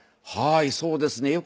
はいそうですね。